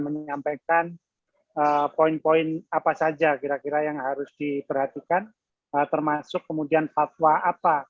menyampaikan poin poin apa saja kira kira yang harus diperhatikan termasuk kemudian fatwa apa